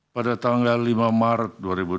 pada tanggal lima maret dua ribu dua puluh